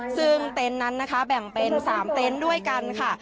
ซึ่งเต็นต์นั้นนะคะแบ่งเป็น๓เต็นต์ด้วยกันค่ะ